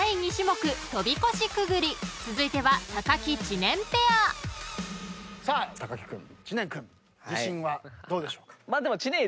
［続いては木・知念ペア］さあ木君知念君自信はどうでしょうか？